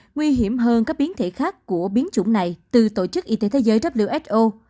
nguy hiểm hơn các biến thể khác của biến chủng này từ tổ chức y tế thế giới who